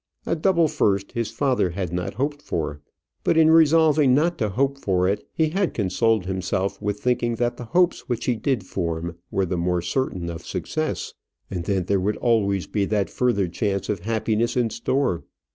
A double first his father had not hoped for; but, in resolving not to hope for it, he had consoled himself with thinking that the hopes which he did form were the more certain of success; and then there would always be that further chance of happiness in store.